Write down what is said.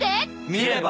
見れば？